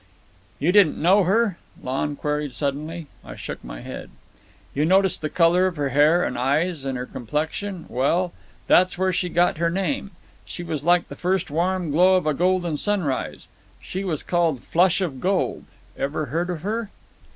"You didn't know her?" Lon queried suddenly. I shook my head. "You noticed the colour of her hair and eyes and her complexion, well, that's where she got her name—she was like the first warm glow of a golden sunrise. She was called Flush of Gold. Ever heard of her?"